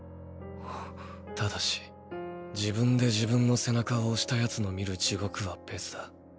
ただし自分で自分の背中を押した奴の見る地獄は別だ。